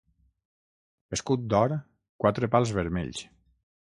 Escut d'or, quatre pals vermells.